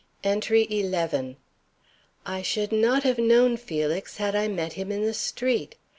ENTRY XI. I should not have known Felix had I met him in the street.